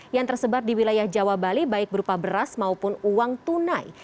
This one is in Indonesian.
yang tersebar di wilayah jawa bali baik berupa beras maupun uang tunai